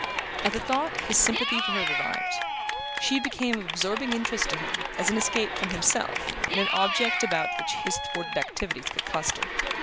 At the thought his sympathy for her revived. She became of absorbing interest to him as an escape from himself and an object about which his thwarted activities could cluster.